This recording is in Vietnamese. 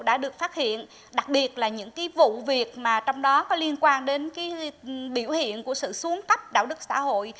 đã được phát hiện đặc biệt là những vụ việc mà trong đó có liên quan đến biểu hiện của sự xuống cấp đạo đức xã hội